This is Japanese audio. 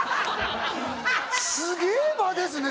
すげえ場ですね